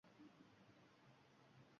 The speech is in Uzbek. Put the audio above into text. Ha-a-a… Nima desam ekan sizga, azizam Yuliya.